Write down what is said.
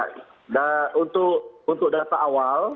nah untuk data awal